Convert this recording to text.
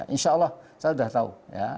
insya allah saya sudah tahu ya